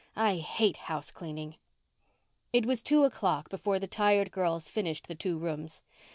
I hate house cleaning." It was two o'clock before the tired girls finished the two rooms.